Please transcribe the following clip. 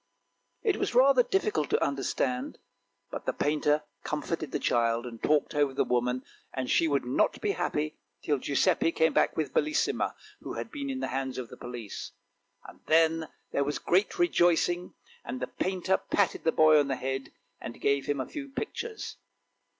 It was rather difficult to understand ; but the painter comforted the child and talked over the woman, but she would not be happy till Giuseppe came back with Bellissima, who had been in the hands of the police. Then there was great rejoicing, and the painter patted the boy on the head, and gave him a few pictures.